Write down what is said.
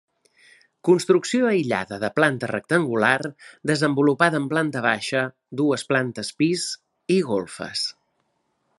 Construcció aïllada de planta rectangular, desenvolupada en planta baixa, dues plantes pis i golfes.